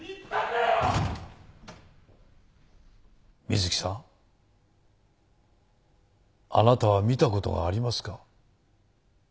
水木さんあなたは見た事がありますか？